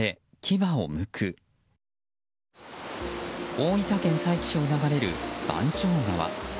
大分県佐伯市を流れる番匠川。